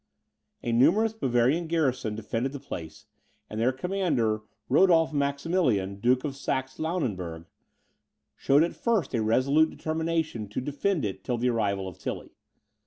A numerous Bavarian garrison defended the place; and their commander, Rodolph Maximilian, Duke of Saxe Lauenburg, showed at first a resolute determination to defend it till the arrival of Tilly.